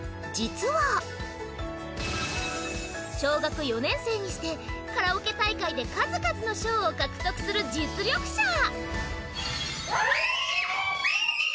実は小学４年生にして、カラオケ大会で数々の賞を獲得する実力者。